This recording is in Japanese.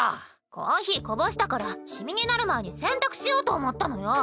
コーヒーこぼしたから染みになる前に洗濯しようと思ったのよ。